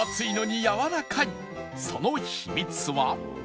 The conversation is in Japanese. その秘密は